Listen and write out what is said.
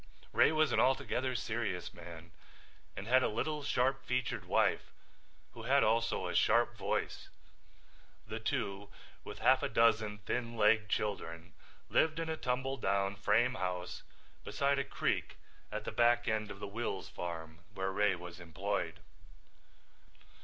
Ray was an altogether serious man and had a little sharp featured wife who had also a sharp voice. The two, with half a dozen thin legged children, lived in a tumble down frame house beside a creek at the back end of the Wills farm where Ray was employed.